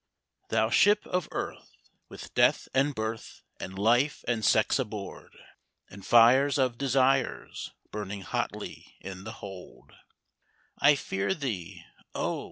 "Thou Ship of Earth, with Death, and Birth, and Life, and Sex aboard, And fires of Desires burning hotly in the hold, I fear thee, O!